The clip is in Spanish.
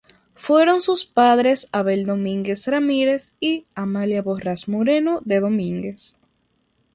Fueron sus padres Abel Domínguez Ramírez y Amalia Borrás Moreno de Domínguez.